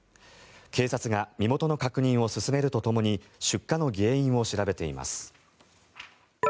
警察が身元の確認を進めるとともに出火の原因を調べています。